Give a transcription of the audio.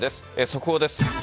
速報です。